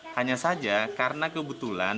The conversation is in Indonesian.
hanya saja karena kebetulan